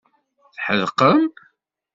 Tḥedqem?